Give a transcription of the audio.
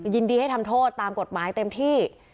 ยินดีให้ทำโทษตามกฎหมายเต็มที่